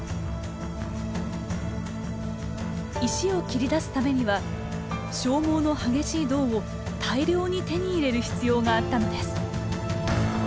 石を切り出すためには消耗の激しい銅を大量に手に入れる必要があったのです。